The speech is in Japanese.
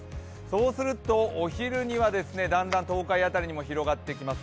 そうすると、お昼にはだんだん東海辺りにも広がってきます。